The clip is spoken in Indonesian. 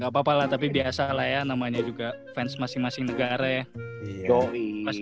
gapapa lah tapi biasa lah ya namanya juga fans masing masing negara ya